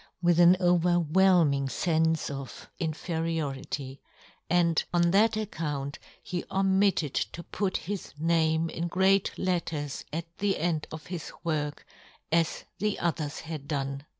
45 with an overwhelming fenfe of in feriority, and on that account he omitted to put his name in great let ters at the end of his work, as the others had done.